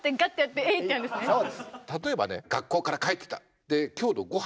例えばね学校から帰ってきた。